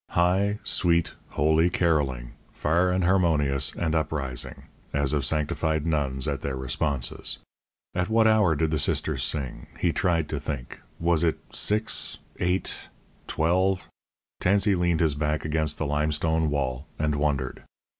High, sweet, holy carolling, far and harmonious and uprising, as of sanctified nuns at their responses. At what hour did the Sisters sing? He tried to think was it six, eight, twelve? Tansey leaned his back against the limestone wall and wondered.